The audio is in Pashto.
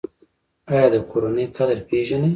ایا د کورنۍ قدر پیژنئ؟